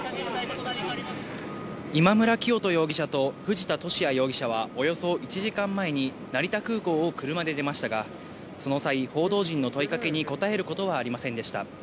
今村磨人容疑者と藤田聖也容疑者はおよそ１時間前に成田空港を車で出ましたが、その際、報道陣の問いかけに答えることはありませんでした。